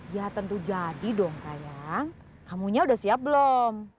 ya tentu jadi dong sayang tamunya udah siap belum